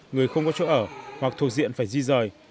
người không có chỗ ở hoặc thuộc diện phải di rời